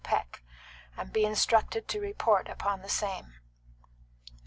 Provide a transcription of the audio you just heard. Peck, and be instructed to report upon the same."